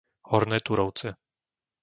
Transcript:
Horné Turovce